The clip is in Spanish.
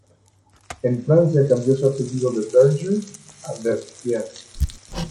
En Francia cambió su apellido de Berger a Bergier.